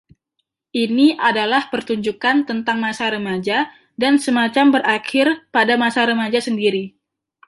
Ini adalah pertunjukan tentang masa remaja dan semacam berakhir pada masa remaja sendiri.